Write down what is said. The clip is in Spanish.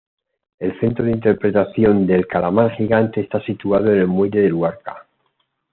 El Centro de Interpretación del Calamar Gigante está situado en el muelle de Luarca.